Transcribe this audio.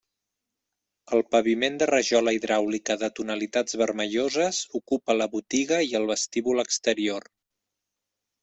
El paviment de rajola hidràulica de tonalitats vermelloses ocupa la botiga i el vestíbul exterior.